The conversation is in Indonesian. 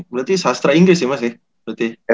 berarti sastra inggris ya mas ya